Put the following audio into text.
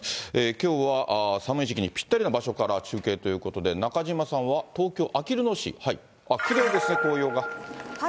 きょうは寒い時期にぴったりな場所から中継ということで、中島さんは東京・あきる野市、きれいですね、紅葉が。